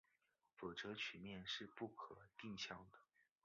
否则曲面是不可定向的。